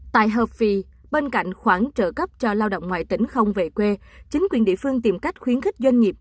tại hợp phi bên cạnh khoản trợ cấp cho lao động ngoại tỉnh không về quê chính quyền địa phương tìm cách khuyến khích doanh nghiệp